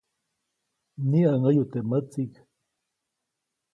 Mniʼäŋäyu teʼ mätsiʼk.